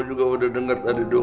gue juga udah denger tadi dong